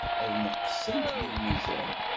Ad neqsent deg lmizan.